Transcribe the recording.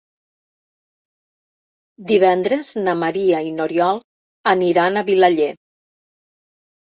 Divendres na Maria i n'Oriol aniran a Vilaller.